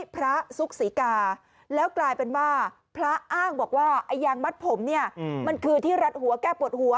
ซุกศรีกาแล้วกลายเป็นว่าพระอ้างบอกว่าไอ้ยางมัดผมเนี่ยมันคือที่รัดหัวแก้ปวดหัว